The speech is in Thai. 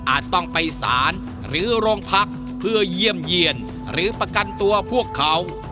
ต้องไปสารหรือโรงพักเพื่อเยี่ยมเยี่ยนหรือประกันตัวพวกเขา